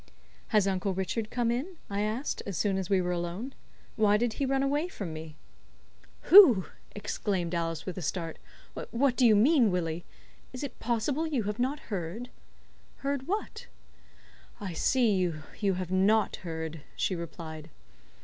"Has Uncle Richard come in?" I asked, as soon as we were alone. "Why did he run away from me?" "Who?" exclaimed Alice, with a start; "what do you mean, Willie? Is it possible you have not heard?" "Heard what?" "I see you have not heard," she replied.